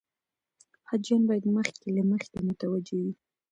حاجیان باید مخکې له مخکې متوجه وي.